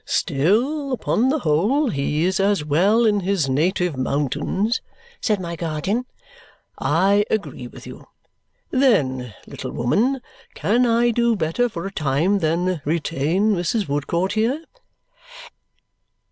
"Still, upon the whole, he is as well in his native mountains," said my guardian. "I agree with you. Then, little woman, can I do better for a time than retain Mrs. Woodcourt here?"